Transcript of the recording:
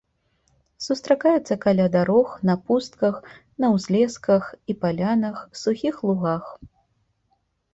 Сустракаецца каля дарог, на пустках, на ўзлесках і палянах, сухіх лугах.